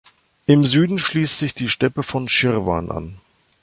Im Süden schließt sich die Steppe von Schirwan an.